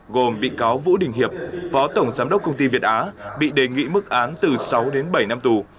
gồm bị cáo vũ đình hiệp phó tổng giám đốc công ty việt á bị đề nghị mức án từ sáu đến bảy năm tù